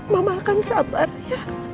mama akan sabar ya